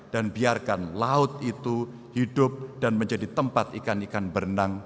dan biarkan laut itu hidup dan menjadi tempat ikan ikan berenang